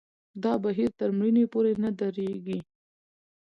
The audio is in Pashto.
دا بهیر تر مړینې پورې نه درېږي.